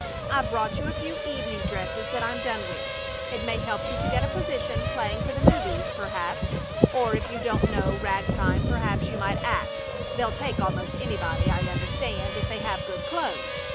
I've brought you a few evening dresses that I'm done with. It may help you to get a position playing for the movies, perhaps; or if you don't know rag time, perhaps you might act they'll take almost anybody, I understand, if they have good clothes.